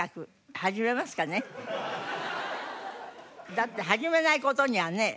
だって始めない事にはね。